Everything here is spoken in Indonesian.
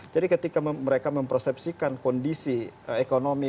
jadi ketika mereka mempersepsikan kondisi ekonomi